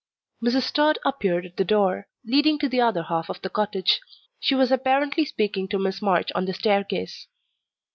Mrs. Tod appeared at the door leading to the other half of the cottage; she was apparently speaking to Miss March on the staircase.